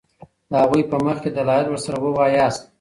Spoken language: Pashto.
د هغوی په مخکي دلائل ورسره وواياست